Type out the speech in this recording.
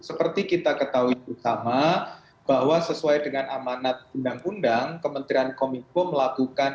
seperti kita ketahui bersama bahwa sesuai dengan amanat undang undang kementerian kominfo melakukan